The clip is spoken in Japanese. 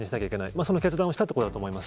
その決断をしたっていうことだと思います。